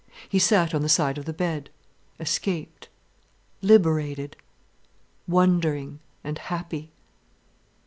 He sat on the side of the bed, escaped, liberated, wondering, and happy.